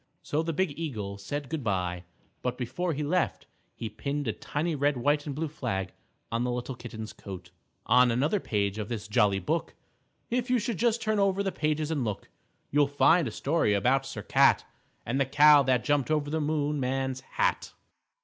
So the big eagle said good by, but before he left, he pinned a tiny red, white and blue flag on the little Kitten's coat. _On another page of this jolly book, If you just turn over the pages and look, You'll find a story about Sir Cat And the Cow that jumped over the Moon Man's Hat.